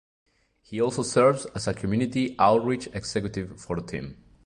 He also serves as a community outreach executive for the team.